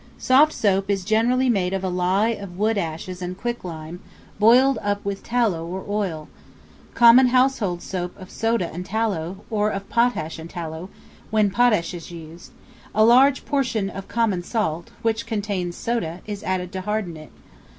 Soft soap is generally made of a lye of wood ashes and quicklime, boiled up with tallow or oil; common household soap of soda and tallow, or of potash and tallow; when potash is used, a large portion of common salt, which contains soda, is added to harden it.